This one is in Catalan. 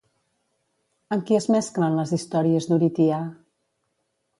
Amb qui es mesclen les històries d'Oritia?